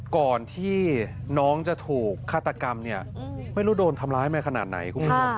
ก่อนที่น้องจะถูกฆาตกรรมเนี่ยไม่รู้โดนทำร้ายมาขนาดไหนคุณผู้ชม